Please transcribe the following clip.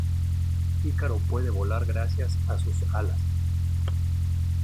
Ícaro puede volar gracias a sus alas.